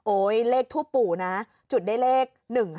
เลขทูปปู่นะจุดได้เลข๑๕